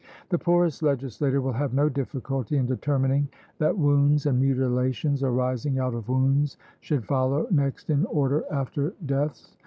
The poorest legislator will have no difficulty in determining that wounds and mutilations arising out of wounds should follow next in order after deaths.